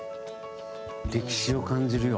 歴史を感じるよ。